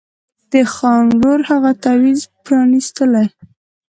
د خان ورور هغه تعویذ وو پرانیستلی